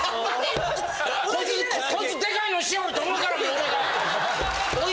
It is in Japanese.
こいつデカいのしよると思うからもう俺が。